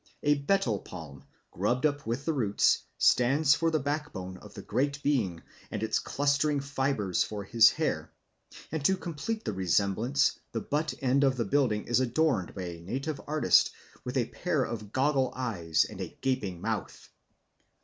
A betel palm, grubbed up with the roots, stands for the backbone of the great being and its clustering fibres for his hair; and to complete the resemblance the butt end of the building is adorned by a native artist with a pair of goggle eyes and a gaping mouth.